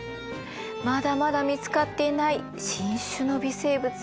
まだまだ見つかっていない新種の微生物